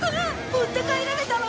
持って帰られたら。